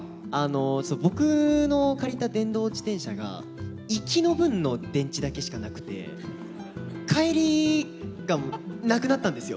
僕の借りた電動自転車が行きの分の電池だけしかなくて帰りがなくなったんですよ。